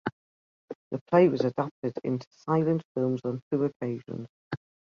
The play was adapted into silent films on two occasions.